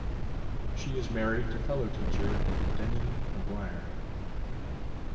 She is married to fellow teacher Denis Maguire.